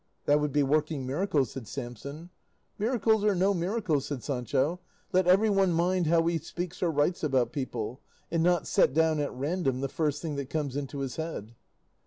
"That would be working miracles," said Samson. "Miracles or no miracles," said Sancho, "let everyone mind how he speaks or writes about people, and not set down at random the first thing that comes into his head."